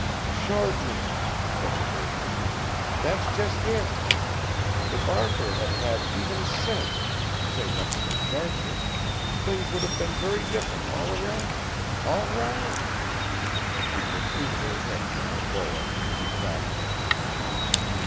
"Sharpness," said the bird woman, "that's just it. If Arthur had had even sense, to say nothing of sharpness, things would have been very different all round all round." She protruded her head from her boa and retracted it.